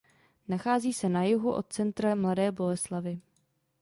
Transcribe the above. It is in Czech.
Nachází se na jihu od centra Mladé Boleslavi.